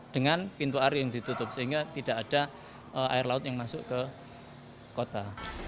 dengan pintu air yang ditutup sehingga tidak ada air laut yang masuk ke kota